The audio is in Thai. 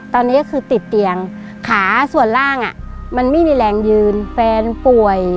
ตอนนี้ก็คือติดเตียงขาส่วนล่างมันไม่มีแรงยืนแฟนป่วย